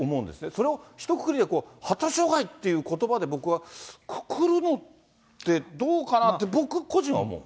それをひとくくりで発達障害ってことばで僕はくくるのってどうかなって、僕個人は思う。